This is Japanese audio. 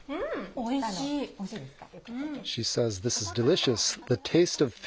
おいしいですか？